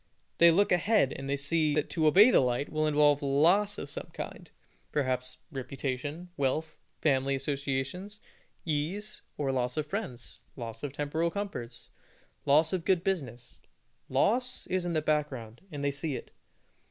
They look ahead, and they see that to obey the light will involve loss of some kind perhaps reputation, wealth, family associations, ease, or loss of friends, loss of temporal comforts, loss of good business. Loss is in the background, and they see it.